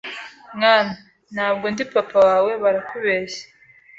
Mwana, ntabwo ndi papa wawe barakubeshye